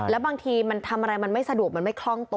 แล้วบางทีมันทำอะไรมันไม่สะดวกมันไม่คล่องตัว